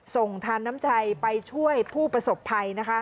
ส่งทานน้ำใจไปช่วยผู้ประสบภัย